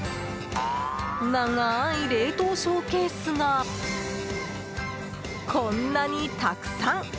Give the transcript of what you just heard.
長い冷凍ショーケースがこんなにたくさん！